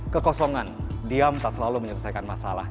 kekosongan diam tak selalu menyelesaikan masalah